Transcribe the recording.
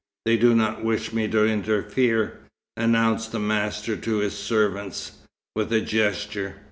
They do not wish me to interfere," announced the master to his servants, with a gesture.